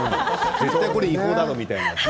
絶対にこれ違法だろうみたいな。